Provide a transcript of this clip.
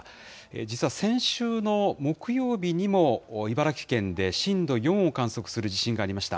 実は先週の木曜日にも、茨城県で震度４を観測する地震がありました。